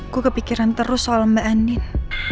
gue kepikiran terus soal mbak andi